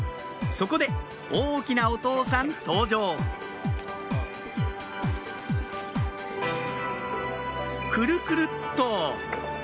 そこで大きなお父さん登場くるくる！っと